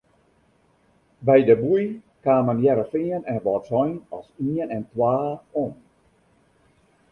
By de boei kamen Hearrenfean en Wâldsein as ien en twa om.